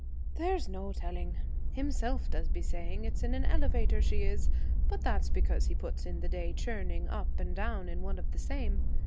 'There's no telling. Himself does be saying it's in an elevator she is, but that's because he puts in the day churning up and down in one of the same.